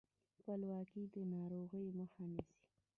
پاکوالی د ناروغیو مخه نیسي.